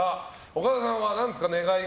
岡田さんは何ですか？